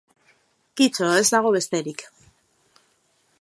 Kito, ez dago besterik.